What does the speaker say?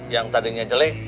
yang tadinya jelek